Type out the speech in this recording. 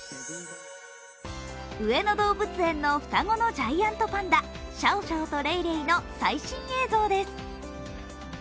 上野動物園の双子のジャイアントパンダ、シャオシャオとレイレイの最新映像です。